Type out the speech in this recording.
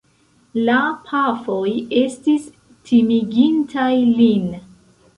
La pafoj estis timigintaj lin.